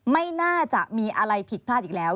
ไม่น่าจะมีอะไรผิดพลาดอีกแล้ว